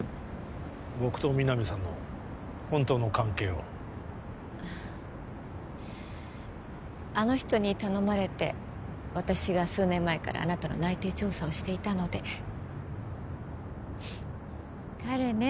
僕と皆実さんの本当の関係をあの人に頼まれて私が数年前からあなたの内偵調査をしていたので彼ね